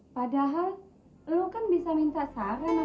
padahal elu kan bisa minta saran sama tuh ustadz manang